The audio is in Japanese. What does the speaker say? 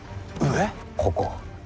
ここ。